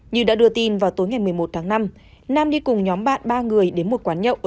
như đã đưa tin vào tối ngày một mươi một tháng năm nam đi cùng nhóm bạn ba người đến một quán nhậu